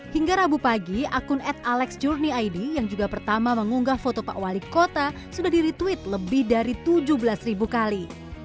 hingga rabu pagi akun ad alex journey id yang juga pertama mengunggah foto pak wali kota sudah di retweet lebih dari tujuh belas ribu kali